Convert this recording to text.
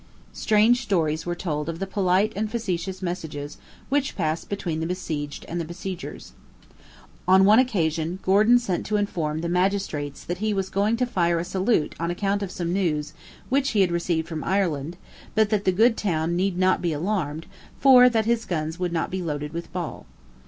Strange stories were told of the polite and facetious messages which passed between the besieged and the besiegers. On one occasion Gordon sent to inform the magistrates that he was going to fire a salute on account of some news which he had received from Ireland, but that the good town need not be alarmed, for that his guns would not be loaded with ball.